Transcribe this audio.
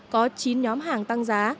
có chín nhóm hàng tăng giá